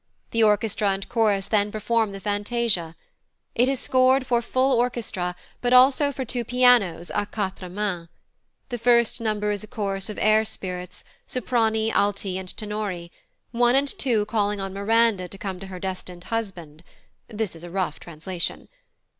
The orchestra and chorus then perform the fantasia. It is scored for full orchestra, but also for two pianos à quatre mains. The first number is a chorus of air spirits, soprani, alti, and tenori 1 and 2 calling on Miranda to come to her destined husband. (This is a rough translation.)